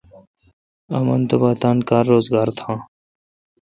امن تبا تان کار روزگار تھان۔